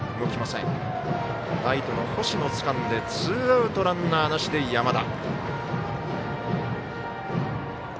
ライトの星野つかんでツーアウトランナーなしで山田。